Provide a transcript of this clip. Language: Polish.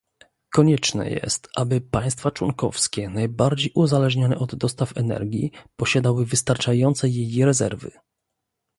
Konieczne jest, aby państwa członkowskie najbardziej uzależnione od dostaw energii posiadały wystarczające jej rezerwy